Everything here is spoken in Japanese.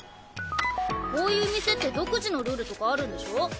こういう店って独自のルールとかあるんでしょ？